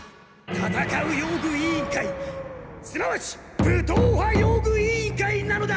たたかう用具委員会すなわち武闘派用具委員会なのだ！